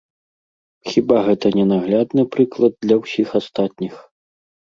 Хіба гэта не наглядны прыклад для ўсіх астатніх?